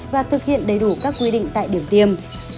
và thực hiện đầy đủ các quy định tại điểm tiêm